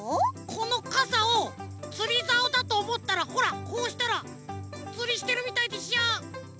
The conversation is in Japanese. このかさをつりざおだとおもったらほらこうしたらつりしてるみたいでしょ？